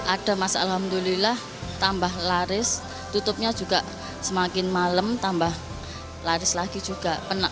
ada mas alhamdulillah tambah laris tutupnya juga semakin malam tambah laris lagi juga